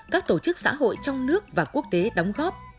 các tổ chức xã hội trong nước và quốc tế đóng góp